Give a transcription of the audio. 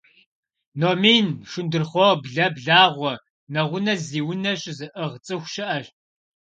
Номин, шындурхъуо, блэ, благъуэ, нэгъунэ зи унэ щызыӏыгъ цӏыху щыӏэщ.